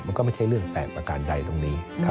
มันก็ไม่ใช่เรื่องแปลกประการใดตรงนี้